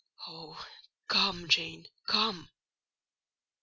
Oh! come, Jane, come!"